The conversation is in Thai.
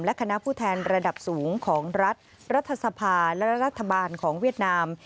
และคณะผู้แทนระดับสูงของรัฐรัฐสภาและรัฐบาลของเวียดนาม